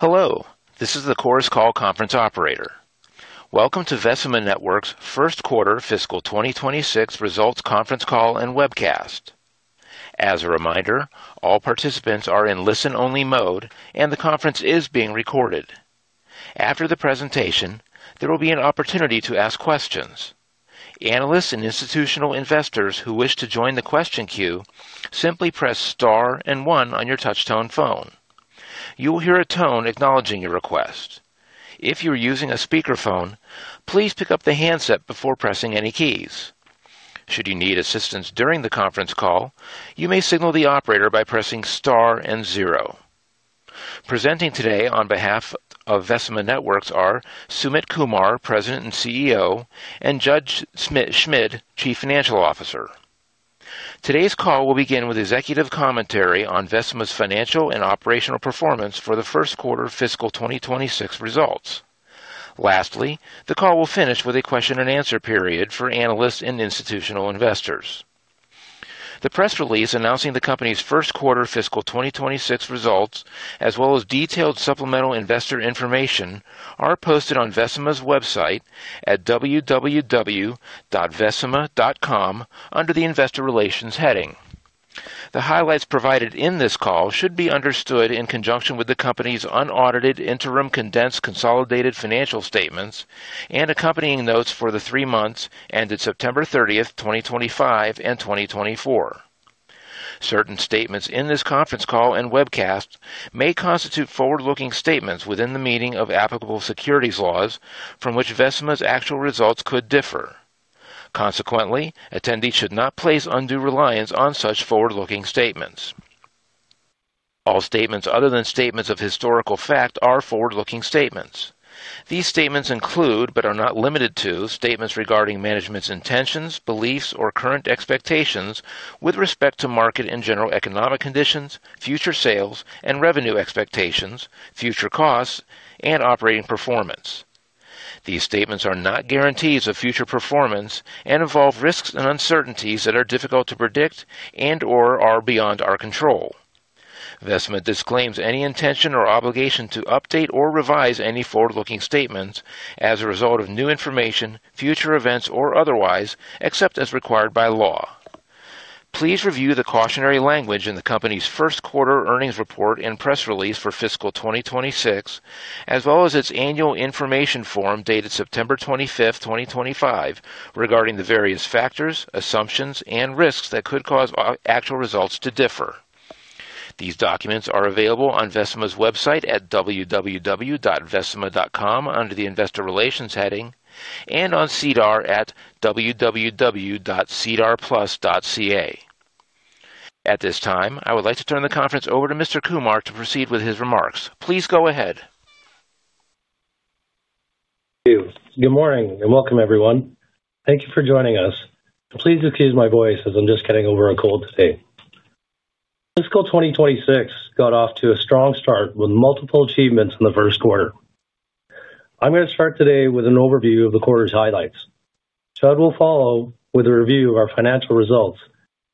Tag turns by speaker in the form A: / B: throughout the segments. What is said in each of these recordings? A: Hello, this is the Chorus Call Conference Operator. Welcome to Vecima Networks' first quarter fiscal 2026 results conference call and webcast. As a reminder, all participants are in listen-only mode, and the conference is being recorded. After the presentation, there will be an opportunity to ask questions. Analysts and institutional investors who wish to join the question queue simply press star and one on your touchtone phone. You will hear a tone acknowledging your request. If you're using a speakerphone, please pick up the handset before pressing any keys. Should you need assistance during the conference call, you may signal the operator by pressing star and zero. Presenting today on behalf of Vecima Networks are Sumit Kumar, President and CEO, and Judd Schmid, Chief Financial Officer. Today's call will begin with executive commentary on Vecima's financial and operational performance for the first quarter fiscal 2026 results. Lastly, the call will finish with a question-and-answer period for analysts and institutional investors. The press release announcing the company's first quarter fiscal 2026 results, as well as detailed supplemental investor information, is posted on Vecima's website at www.vecima.com under the Investor Relations heading. The highlights provided in this call should be understood in conjunction with the company's unaudited interim condensed consolidated financial statements and accompanying notes for the three months ended September 30, 2025 and 2024. Certain statements in this conference call and webcast may constitute forward-looking statements within the meaning of applicable securities laws from which Vecima's actual results could differ. Consequently, attendees should not place undue reliance on such forward-looking statements. All statements other than statements of historical fact are forward-looking statements. These statements include, but are not limited to, statements regarding management's intentions, beliefs, or current expectations with respect to market and general economic conditions, future sales, and revenue expectations, future costs, and operating performance. These statements are not guarantees of future performance and involve risks and uncertainties that are difficult to predict and/or are beyond our control. Vecima disclaims any intention or obligation to update or revise any forward-looking statements as a result of new information, future events, or otherwise, except as required by law. Please review the cautionary language in the company's first quarter earnings report and press release for fiscal 2026, as well as its annual information form dated September 25th, 2025, regarding the various factors, assumptions, and risks that could cause actual results to differ. These documents are available on Vecima's website at www.vecima.com under the Investor Relations heading and on CDAR at www.cdrplus.ca. At this time, I would like to turn the conference over to Mr. Kumar to proceed with his remarks. Please go ahead.
B: Good morning and welcome, everyone. Thank you for joining us. Please excuse my voice as I'm just getting over a cold today. Fiscal 2026 got off to a strong start with multiple achievements in the first quarter. I'm going to start today with an overview of the quarter's highlights. Judd will follow with a review of our financial results,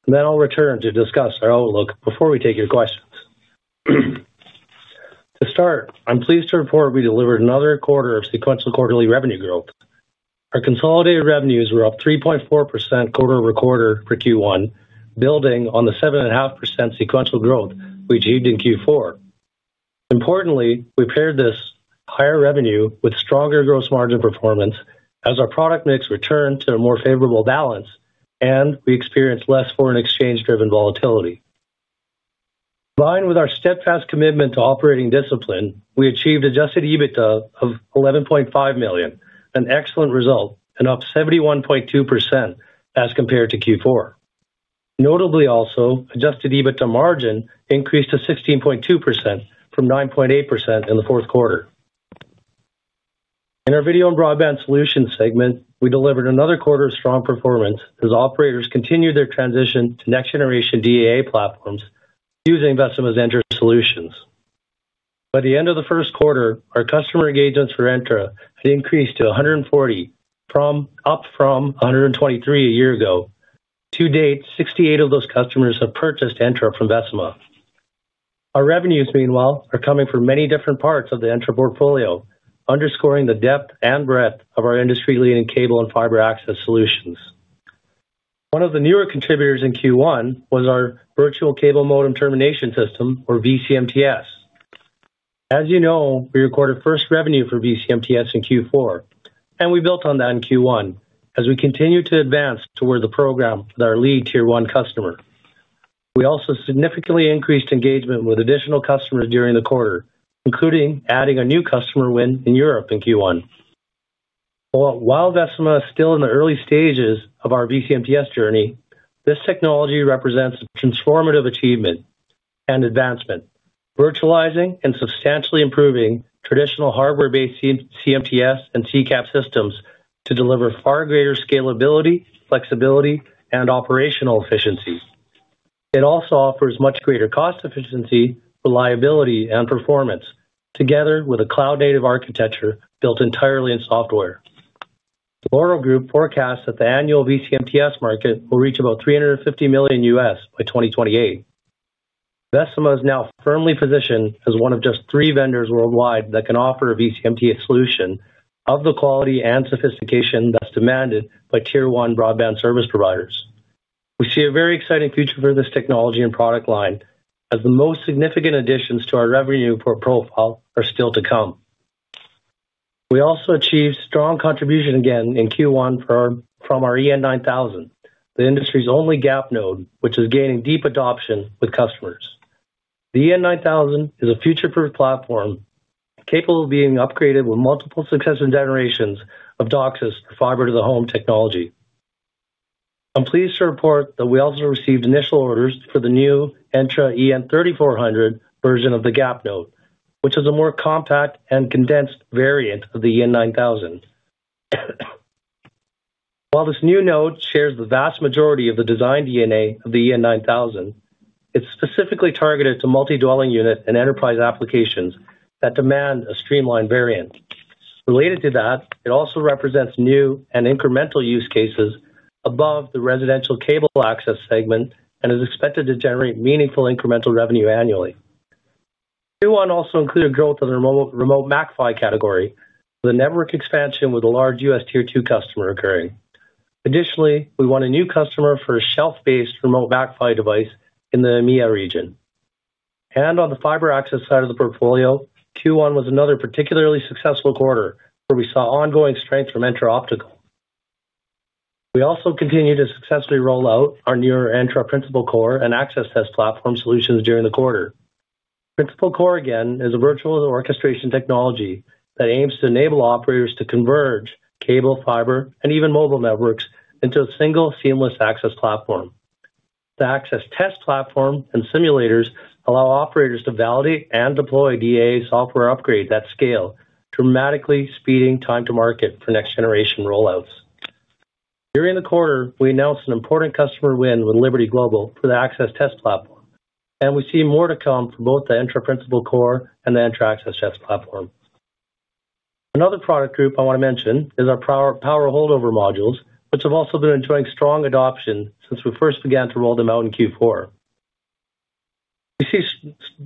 B: and then I'll return to discuss our outlook before we take your questions. To start, I'm pleased to report we delivered another quarter of sequential quarterly revenue growth. Our consolidated revenues were up 3.4% quarter over quarter for Q1, building on the 7.5% sequential growth we achieved in Q4. Importantly, we paired this higher revenue with stronger gross margin performance as our product mix returned to a more favorable balance, and we experienced less foreign exchange-driven volatility. Combined with our steadfast commitment to operating discipline, we achieved adjusted EBITDA of $11.5 million, an excellent result and up 71.2% as compared to Q4. Notably also, adjusted EBITDA margin increased to 16.2% from 9.8% in the fourth quarter. In our video and broadband solution segment, we delivered another quarter of strong performance as operators continued their transition to next-generation DAA platforms using Vecima's Entra solutions. By the end of the first quarter, our customer engagements for Entra had increased to 140, up from 123 a year ago. To date, 68 of those customers have purchased Entra from Vecima. Our revenues, meanwhile, are coming from many different parts of the Entra portfolio, underscoring the depth and breadth of our industry-leading cable and fiber access solutions. One of the newer contributors in Q1 was our virtual cable modem termination system, or VCMTS. As you know, we recorded first revenue for VCMTS in Q4, and we built on that in Q1 as we continue to advance toward the program for our lead tier one customer. We also significantly increased engagement with additional customers during the quarter, including adding a new customer win in Europe in Q1. While Vecima is still in the early stages of our VCMTS journey, this technology represents a transformative achievement and advancement, virtualizing and substantially improving traditional hardware-based CMTS and CCAP systems to deliver far greater scalability, flexibility, and operational efficiency. It also offers much greater cost efficiency, reliability, and performance, together with a cloud-native architecture built entirely in software. The Laurel Group forecasts that the annual VCMTS market will reach about $350 million by 2028. Vecima is now firmly positioned as one of just three vendors worldwide that can offer a VCMTS solution of the quality and sophistication that's demanded by tier one broadband service providers. We see a very exciting future for this technology and product line, as the most significant additions to our revenue profile are still to come. We also achieved strong contribution again in Q1 from our EN9000, the industry's only gap node, which is gaining deep adoption with customers. The EN9000 is a future-proof platform capable of being upgraded with multiple successive generations of DOCSIS for fiber-to-the-home technology. I'm pleased to report that we also received initial orders for the new Entra EN3400 version of the gap node, which is a more compact and condensed variant of the EN9000. While this new node shares the vast majority of the design DNA of the EN9000, it's specifically targeted to multi-dwelling unit and enterprise applications that demand a streamlined variant. Related to that, it also represents new and incremental use cases above the residential cable access segment and is expected to generate meaningful incremental revenue annually. Q1 also included growth in the Remote MACPHY category, the network expansion with a large US Tier 2 customer occurring. Additionally, we won a new customer for a shelf-based Remote MACPHY device in the EMEA region. On the fiber access side of the portfolio, Q1 was another particularly successful quarter where we saw ongoing strength from Entra Optical. We also continued to successfully roll out our newer Entra Principal Core and Access Test Platform solutions during the quarter. Principal Core, again, is a virtual orchestration technology that aims to enable operators to converge cable, fiber, and even mobile networks into a single seamless access platform. The Access Test Platform and simulators allow operators to validate and deploy DAA software upgrade at scale, dramatically speeding time to market for next-generation rollouts. During the quarter, we announced an important customer win with Liberty Global for the Access Test Platform, and we see more to come for both the Entra Principal Core and the Entra Access Test Platform. Another product group I want to mention is our power holdover modules, which have also been enjoying strong adoption since we first began to roll them out in Q4.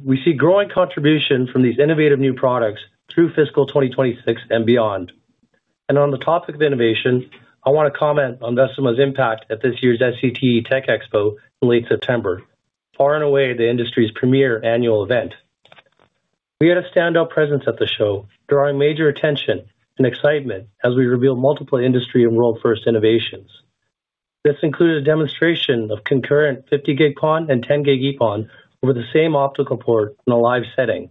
B: We see growing contribution from these innovative new products through fiscal 2026 and beyond. On the topic of innovation, I want to comment on Vecima's impact at this year's SCTE Tech Expo in late September, far and away the industry's premier annual event. We had a standout presence at the show, drawing major attention and excitement as we revealed multiple industry and world-first innovations. This included a demonstration of concurrent 50 gig PON and 10 gig EPON over the same optical port in a live setting.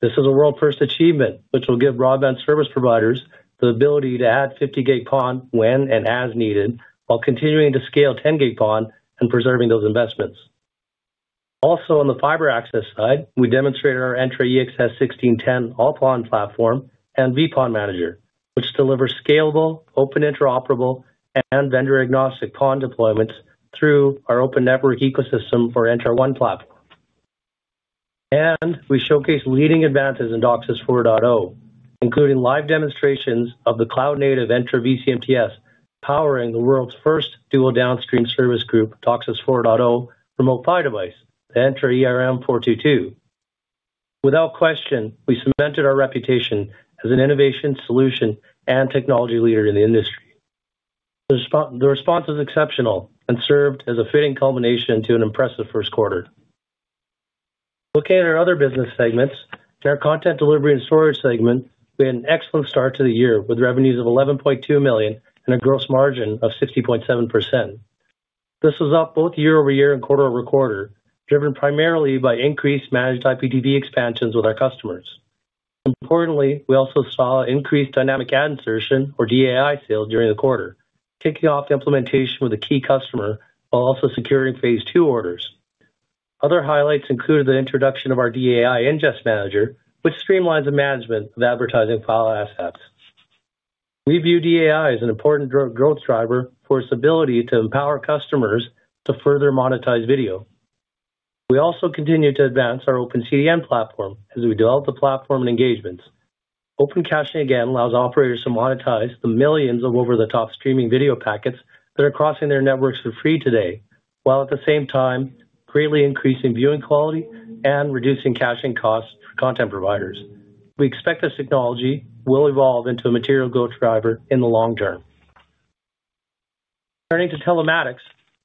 B: This is a world-first achievement, which will give broadband service providers the ability to add 50 gig PON when and as needed while continuing to scale 10 gig PON and preserving those investments. Also, on the fiber access side, we demonstrated our Entra EXS 1610 all-PON platform and VPON manager, which delivers scalable, open, interoperable, and vendor-agnostic PON deployments through our open network ecosystem for Entra One Platform. We showcased leading advances in DOCSIS 4.0, including live demonstrations of the cloud-native Entra VCMTS powering the world's first dual downstream service group, DOCSIS 4.0 Remote PHY Device, the Entra 422. Without question, we cemented our reputation as an innovation solution and technology leader in the industry. The response was exceptional and served as a fitting culmination to an impressive first quarter. Looking at our other business segments, in our content delivery and storage segment, we had an excellent start to the year with revenues of $11.2 million and a gross margin of 60.7%. This was up both year-over-year and quarter-over-quarter, driven primarily by increased managed IPTV expansions with our customers. Importantly, we also saw increased dynamic ad insertion, or DAI, sales during the quarter, kicking off the implementation with a key customer while also securing phase two orders. Other highlights included the introduction of our DAI ingest manager, which streamlines the management of advertising file assets. We view DAI as an important growth driver for its ability to empower customers to further monetize video. We also continue to advance our OpenCDN platform as we develop the platform and engagements. Open caching, again, allows operators to monetize the millions of over-the-top streaming video packets that are crossing their networks for free today, while at the same time greatly increasing viewing quality and reducing caching costs for content providers. We expect this technology will evolve into a material growth driver in the long term. Turning to telematics,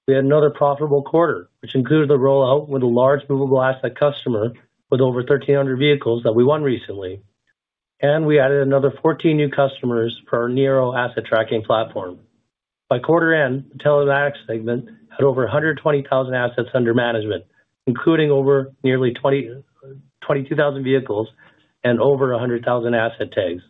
B: we had another profitable quarter, which included the rollout with a large movable asset customer with over 1,300 vehicles that we won recently. We added another 14 new customers for our Nero asset tracking platform. By quarter end, the telematics segment had over 120,000 assets under management, including nearly 22,000 vehicles and over 100,000 asset tags.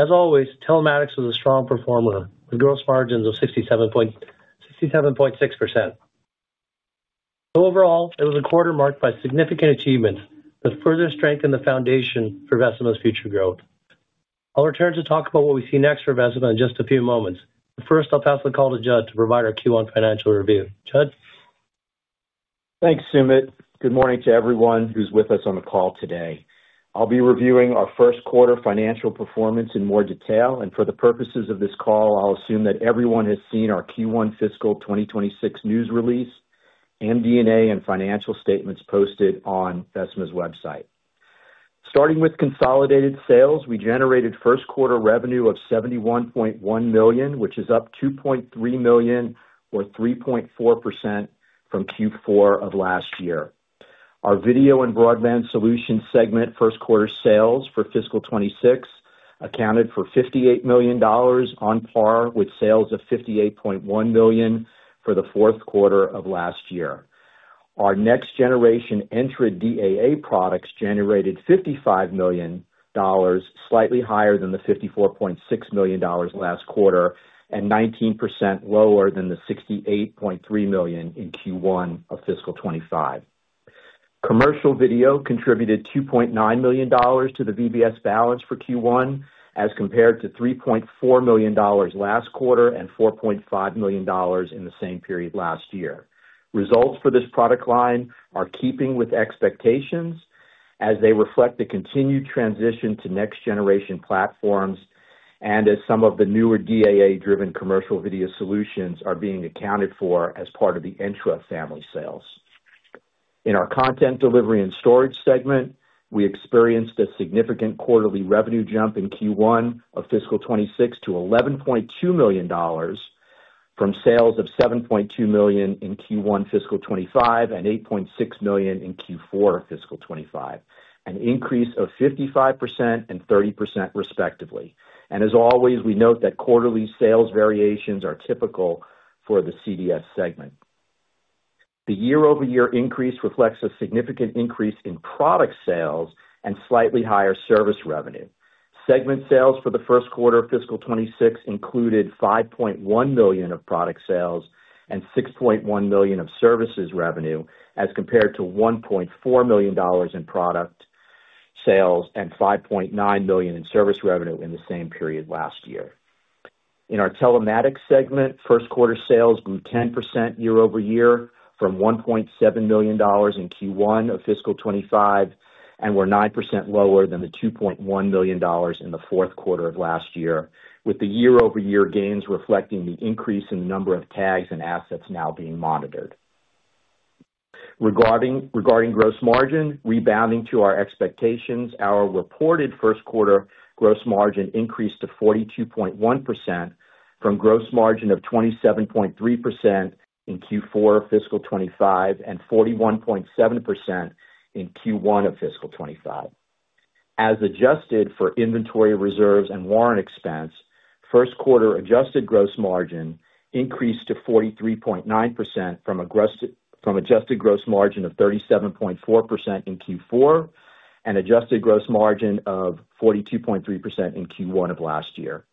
B: As always, telematics was a strong performer with gross margins of 67.6%. Overall, it was a quarter marked by significant achievements that further strengthened the foundation for Vecima's future growth. I'll return to talk about what we see next for Vecima in just a few moments. First, I'll pass the call to Judd to provide our Q1 financial review. Judd?
C: Thanks, Sumit. Good morning to everyone who's with us on the call today. I'll be reviewing our first quarter financial performance in more detail, and for the purposes of this call, I'll assume that everyone has seen our Q1 fiscal 2026 news release and MD&A and financial statements posted on Vecima's website. Starting with consolidated sales, we generated first quarter revenue of $71.1 million, which is up $2.3 million, or 3.4% from Q4 of last year. Our video and broadband solution segment first quarter sales for fiscal 2026 accounted for $58 million, on par with sales of $58.1 million for the fourth quarter of last year. Our next-generation Entra DAA products generated $55 million, slightly higher than the $54.6 million last quarter and 19% lower than the $68.3 million in Q1 of fiscal 2025. Commercial video contributed $2.9 million to the VBS balance for Q1, as compared to $3.4 million last quarter and $4.5 million in the same period last year. Results for this product line are keeping with expectations as they reflect the continued transition to next-generation platforms and as some of the newer DAA-driven commercial video solutions are being accounted for as part of the Entra family sales. In our content delivery and storage segment, we experienced a significant quarterly revenue jump in Q1 of fiscal 2026 to $11.2 million from sales of $7.2 million in Q1 fiscal 2025 and $8.6 million in Q4 of fiscal 2025, an increase of 55% and 30% respectively. As always, we note that quarterly sales variations are typical for the CDS segment. The year-over-year increase reflects a significant increase in product sales and slightly higher service revenue. Segment sales for the first quarter of fiscal 2026 included $5.1 million of product sales and $6.1 million of services revenue, as compared to $1.4 million in product sales and $5.9 million in service revenue in the same period last year. In our telematics segment, first quarter sales grew 10% year-over-year from $1.7 million in Q1 of fiscal 2025 and were 9% lower than the $2.1 million in the fourth quarter of last year, with the year-over-year gains reflecting the increase in the number of tags and assets now being monitored. Regarding gross margin, rebounding to our expectations, our reported first quarter gross margin increased to 42.1% from gross margin of 27.3% in Q4 of fiscal 2025 and 41.7% in Q1 of fiscal 2025. As adjusted for inventory reserves and warrant expense, first quarter adjusted gross margin increased to 43.9% from adjusted gross margin of 37.4% in Q4 and adjusted gross margin of 42.3% in Q1 of last year.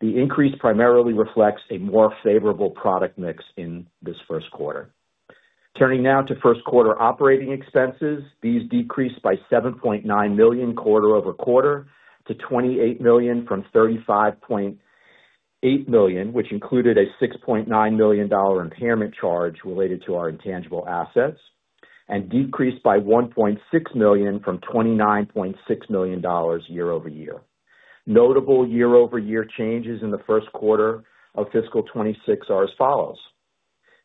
C: The increase primarily reflects a more favorable product mix in this first quarter. Turning now to first quarter operating expenses, these decreased by $7.9 million quarter over quarter to $28 million from $35.8 million, which included a $6.9 million impairment charge related to our intangible assets, and decreased by $1.6 million from $29.6 million year-over-year. Notable year-over-year changes in the first quarter of fiscal 2026 are as follows.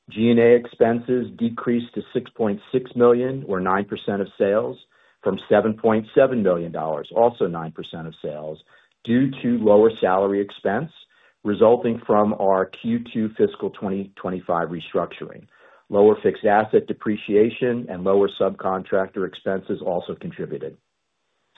C: G&A expenses decreased to $6.6 million, or 9% of sales, from $7.7 million, also 9% of sales, due to lower salary expense resulting from our Q2 fiscal 2025 restructuring. Lower fixed asset depreciation and lower subcontractor expenses also contributed.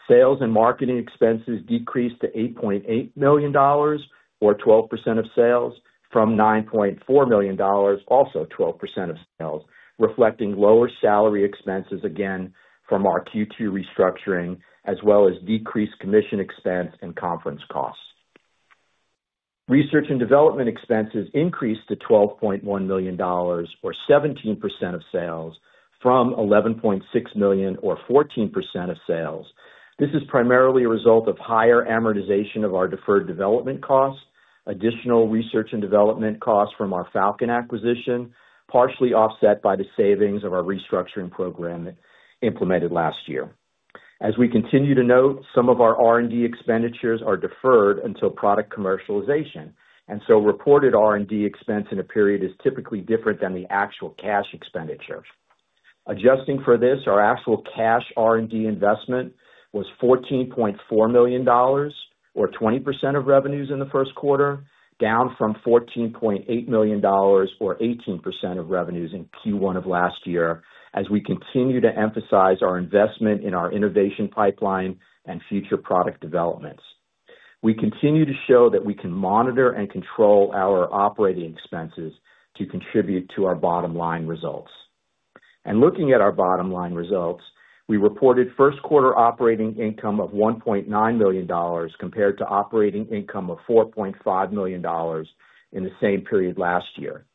C: Sales and marketing expenses decreased to $8.8 million, or 12% of sales, from $9.4 million, also 12% of sales, reflecting lower salary expenses again from our Q2 restructuring, as well as decreased commission expense and conference costs. Research and development expenses increased to $12.1 million, or 17% of sales, from $11.6 million, or 14% of sales. This is primarily a result of higher amortization of our deferred development costs, additional research and development costs from our Falcon acquisition, partially offset by the savings of our restructuring program implemented last year. As we continue to note, some of our R&D expenditures are deferred until product commercialization, and so reported R&D expense in a period is typically different than the actual cash expenditure. Adjusting for this, our actual cash R&D investment was $14.4 million, or 20% of revenues in the first quarter, down from $14.8 million, or 18% of revenues in Q1 of last year, as we continue to emphasize our investment in our innovation pipeline and future product developments. We continue to show that we can monitor and control our operating expenses to contribute to our bottom line results. Looking at our bottom line results, we reported first quarter operating income of $1.9 million compared to operating income of $4.5 million in the same period last year.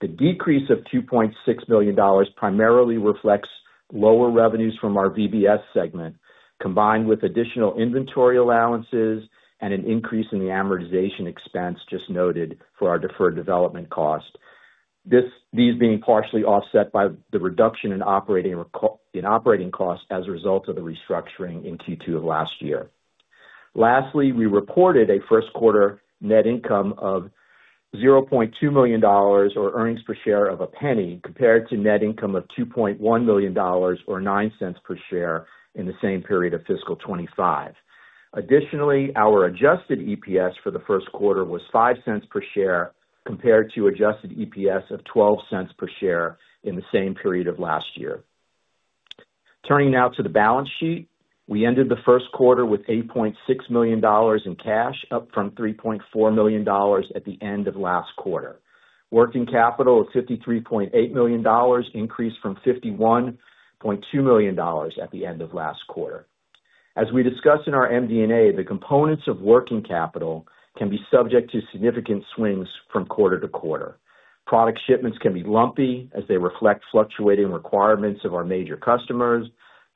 C: The decrease of $2.6 million primarily reflects lower revenues from our VBS segment, combined with additional inventory allowances and an increase in the amortization expense just noted for our deferred development cost, these being partially offset by the reduction in operating costs as a result of the restructuring in Q2 of last year. Lastly, we reported a first quarter net income of $0.2 million, or earnings per share of a penny, compared to net income of $2.1 million, or $0.09 per share in the same period of fiscal 2025. Additionally, our adjusted EPS for the first quarter was $0.05 per share compared to adjusted EPS of $0.12 per share in the same period of last year. Turning now to the balance sheet, we ended the first quarter with $8.6 million in cash, up from $3.4 million at the end of last quarter. Working capital of $53.8 million increased from $51.2 million at the end of last quarter. As we discussed in our MD&A, the components of working capital can be subject to significant swings from quarter to quarter. Product shipments can be lumpy as they reflect fluctuating requirements of our major customers.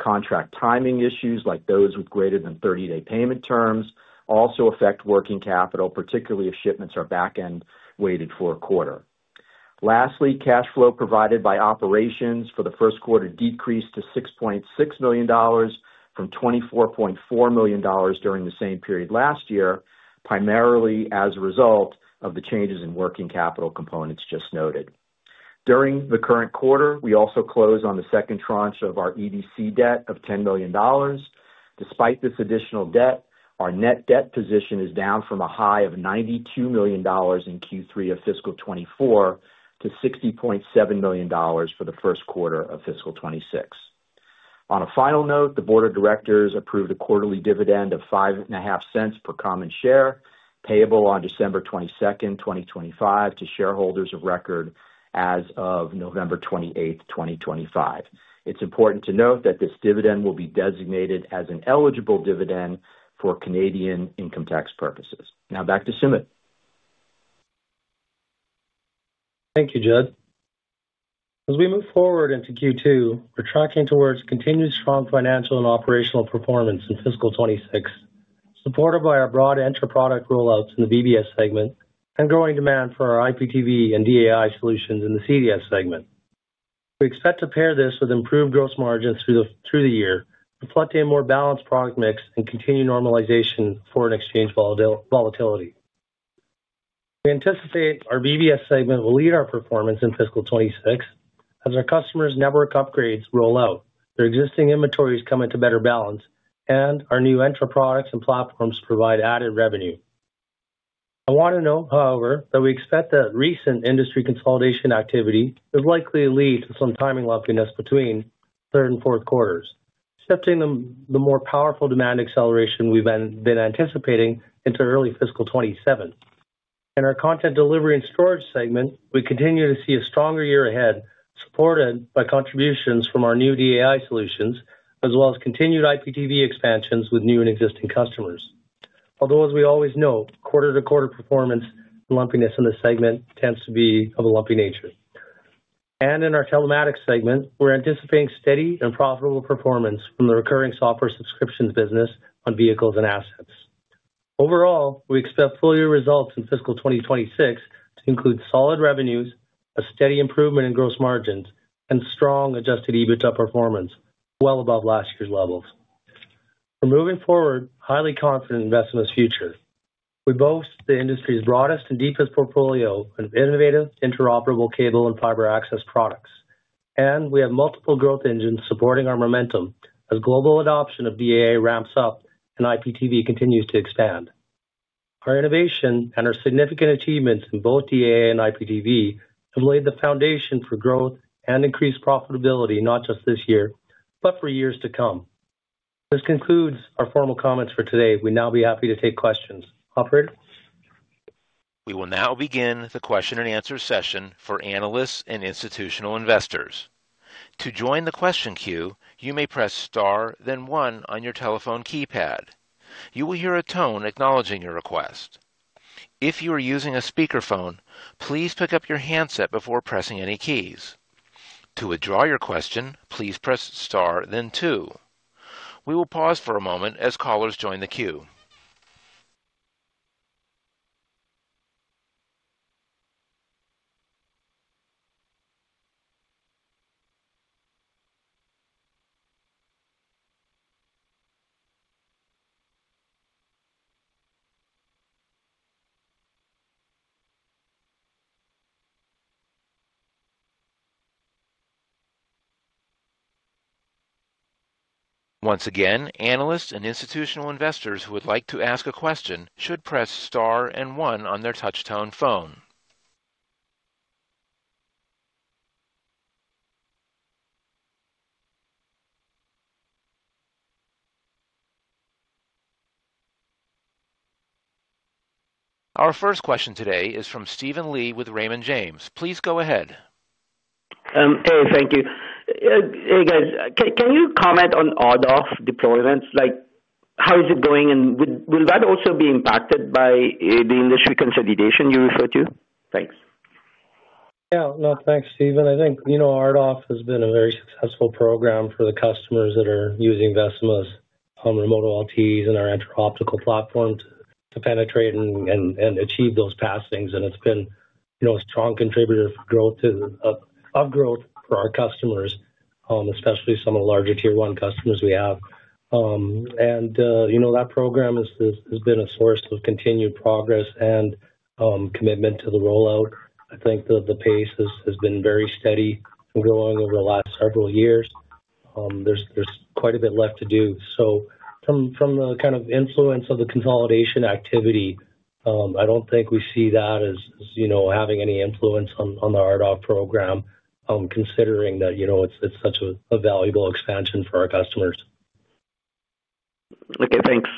C: Contract timing issues, like those with greater than 30-day payment terms, also affect working capital, particularly if shipments are back-end waited for a quarter. Lastly, cash flow provided by operations for the first quarter decreased to $6.6 million from $24.4 million during the same period last year, primarily as a result of the changes in working capital components just noted. During the current quarter, we also closed on the second tranche of our EDC debt of $10 million. Despite this additional debt, our net debt position is down from a high of $92 million in Q3 of fiscal 2024 to $60.7 million for the first quarter of fiscal 2026. On a final note, the board of directors approved a quarterly dividend of $0.055 per common share, payable on December 22, 2025, to shareholders of record as of November 28, 2025. It's important to note that this dividend will be designated as an eligible dividend for Canadian income tax purposes. Now, back to Sumit.
B: Thank you, Judd. As we move forward into Q2, we're tracking towards continued strong financial and operational performance in fiscal 2026, supported by our broad Entra product rollouts in the VBS segment and growing demand for our IPTV and DAI solutions in the CDS segment. We expect to pair this with improved gross margins through the year to flood in more balanced product mix and continue normalization for an exchange volatility. We anticipate our VBS segment will lead our performance in fiscal 2026 as our customers' network upgrades roll out, their existing inventories come into better balance, and our new Entra products and platforms provide added revenue. I want to note, however, that we expect that recent industry consolidation activity is likely to lead to some timing lumpiness between third and fourth quarters, shifting the more powerful demand acceleration we've been anticipating into early fiscal 2027. In our content delivery and storage segment, we continue to see a stronger year ahead, supported by contributions from our new DAI solutions, as well as continued IPTV expansions with new and existing customers. Although, as we always note, quarter-to-quarter performance and lumpiness in this segment tends to be of a lumpy nature. In our telematics segment, we're anticipating steady and profitable performance from the recurring software subscriptions business on vehicles and assets. Overall, we expect full year results in fiscal 2026 to include solid revenues, a steady improvement in gross margins, and strong adjusted EBITDA performance, well above last year's levels. For moving forward, highly confident in Vecima's future. We boast the industry's broadest and deepest portfolio of innovative interoperable cable and fiber access products, and we have multiple growth engines supporting our momentum as global adoption of DAA ramps up and IPTV continues to expand. Our innovation and our significant achievements in both DAA and IPTV have laid the foundation for growth and increased profitability, not just this year, but for years to come. This concludes our formal comments for today. We'd now be happy to take questions. Operator?
A: We will now begin the question and answer session for analysts and institutional investors. To join the question queue, you may press star, then one on your telephone keypad. You will hear a tone acknowledging your request. If you are using a speakerphone, please pick up your handset before pressing any keys. To withdraw your question, please press star, then two. We will pause for a moment as callers join the queue. Once again, analysts and institutional investors who would like to ask a question should press star and one on their touch-tone phone. Our first question today is from Steven Lee with Raymond James. Please go ahead.
D: Hey, thank you. Hey, guys, can you comment on RDoF deployments? How is it going, and will that also be impacted by the industry consolidation you referred to? Thanks.
B: Yeah, no, thanks, Steven. I think RDoF has been a very successful program for the customers that are using Vecima's remote OLTs and our Entra Optical platform to penetrate and achieve those passings, and it's been a strong contributor of growth for our customers, especially some of the larger tier-one customers we have. That program has been a source of continued progress and commitment to the rollout. I think the pace has been very steady and growing over the last several years. There's quite a bit left to do. From the kind of influence of the consolidation activity, I don't think we see that as having any influence on the RDoF program, considering that it's such a valuable expansion for our customers.
D: Okay, thanks.